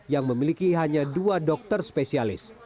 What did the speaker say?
yang memiliki hanya dua dokter spesialis